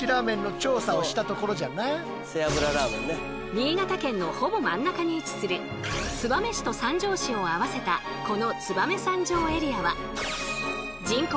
新潟県のほぼ真ん中に位置する燕市と三条市を合わせたこの燕三条エリアは人口